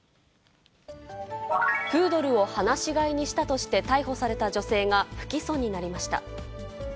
プードルを放し飼いにしたとして、逮捕された女性が、不起訴になりました。